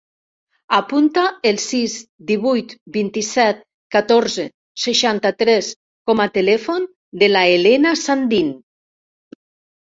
Apunta el sis, divuit, vint-i-set, catorze, seixanta-tres com a telèfon de la Helena Sandin.